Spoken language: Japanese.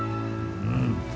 うん。